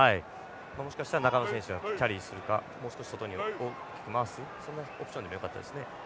もしかしたら中の選手がキャリーするかもう少し外に大きく回すそんなオプションでもよかったですね。